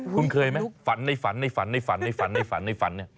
คุณเคยไหมฝันได้ฝันได้ฝันได้ฝันได้ฝันได้ฝันฝันฝันฝัน